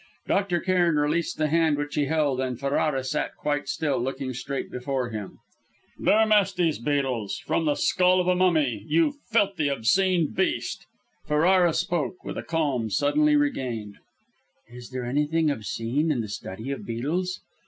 Dr. Cairn released the hand which he held, and Ferrara sat quite still, looking straight before him. "Dermestes beetles! from the skull of a mummy! You filthy, obscene beast!" Ferrara spoke, with a calm suddenly regained: "Is there anything obscene in the study of beetles?"